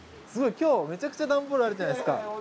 今日めちゃくちゃ段ボールあるじゃないですか！